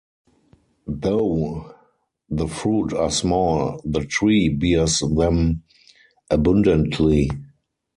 Though the fruit are small, the tree bears them abundantly.